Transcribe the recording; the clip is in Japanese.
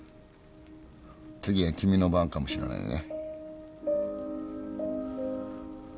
次は君の番かもしれないね。